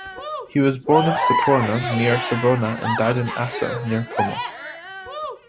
He was born in Spotorno, near Savona and died in Asso, near Como.